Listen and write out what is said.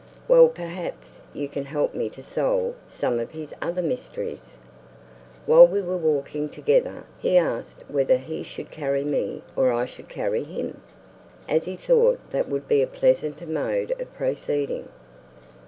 Well perhaps you can help me to solve some of his other mysteries. While we were walking together he asked whether he should carry me or I should carry him, as he thought that would be a pleasanter mode of proceeding."